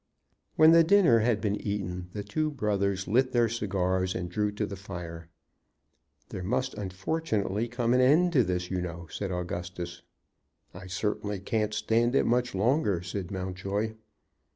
When the dinner had been eaten the two brothers lit their cigars and drew to the fire. "There must, unfortunately, come an end to this, you know," said Augustus. "I certainly can't stand it much longer," said Mountjoy.